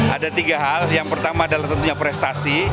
ada tiga hal yang pertama adalah tentunya prestasi